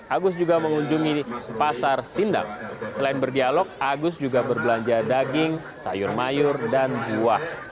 agus juga mengunjungi pasar sindang selain berdialog agus juga berbelanja daging sayur mayur dan buah